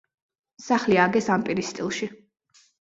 სახლი ააგეს ამპირის სტილში.